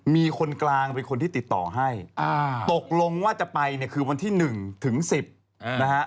มีคนกลางเป็นคนที่ติดต่อให้ตกลงว่าจะไปเนี่ยคือวันที่๑ถึง๑๐นะฮะ